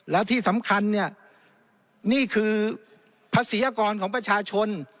แล้วที่สำคัญเนี่ยนี่คือภาษีอากรของประชาชน